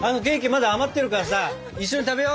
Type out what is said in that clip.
まだ余ってるからさ一緒に食べよう。